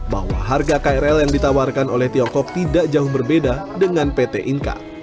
bahwa harga krl yang ditawarkan oleh tiongkok tidak jauh berbeda dengan pt inka